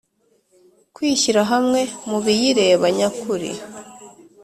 kwishyira hamwe mu biyireba nyakuri.